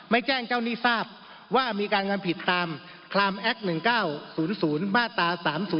แจ้งเจ้าหนี้ทราบว่ามีการทำผิดตามคลามแอค๑๙๐๐มาตรา๓๐